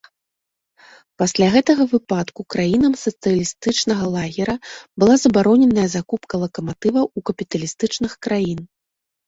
Пасля гэтага выпадку краінам сацыялістычнага лагера была забароненая закупка лакаматываў у капіталістычных краін.